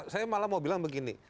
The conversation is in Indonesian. saya malah mau bilang begini